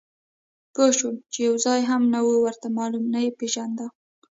پوه شوم چې یو ځای هم نه و ورته معلوم، نه یې پېژانده.